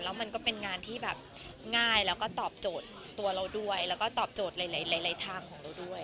แล้วมันก็เป็นงานที่แบบง่ายแล้วก็ตอบโจทย์ตัวเราด้วยแล้วก็ตอบโจทย์หลายหลายทางของเราด้วย